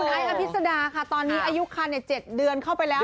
ไอ้อภิษดาค่ะตอนนี้อายุคัน๗เดือนเข้าไปแล้ว